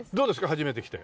初めて来て。